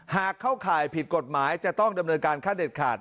เข้าข่ายผิดกฎหมายจะต้องดำเนินการขั้นเด็ดขาด